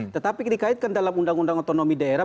tetapi dikaitkan dalam undang undang otonomi daerah